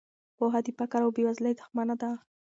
پوهه د فقر او بې وزلۍ دښمنه ده.